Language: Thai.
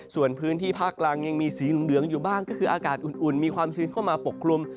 ส่วนพื้นที่ภาคกลางยังมีสีเหลืองอยู่บ้างก็คืออากาศอุ่นมีความชื้นเข้ามาปกคลุม